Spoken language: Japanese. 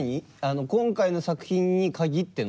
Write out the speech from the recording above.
今回の作品に限ってのことなの？